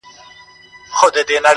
هو رشتيا~